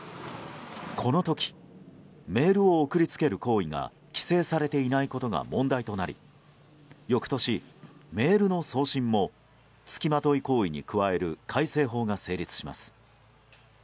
この時メールを送り付ける行為が規制されていないことが問題となり翌年、メールの送信も付きまとい行為に加える改正法が成立します。